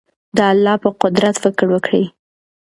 د الله په قدرت فکر وکړئ.